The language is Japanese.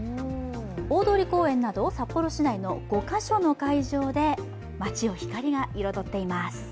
大通り公園など、札幌市内の５カ所の会場で街を光が彩っています。